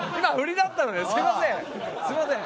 すいません。